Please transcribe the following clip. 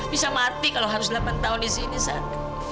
bisa mati kalau harus delapan tahun di sini sah